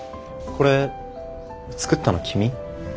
これ作ったの君？